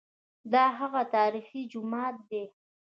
دا هغه تاریخي جومات دی.